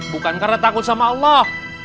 bukan karena takut sama allah